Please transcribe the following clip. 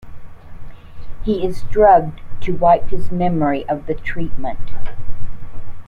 He is drugged to wipe his memory of the treatment.